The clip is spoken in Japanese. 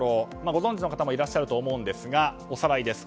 ご存じの方もいらっしゃると思うんですがおさらいです。